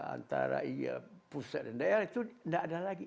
antara pusat dan daerah itu tidak ada lagi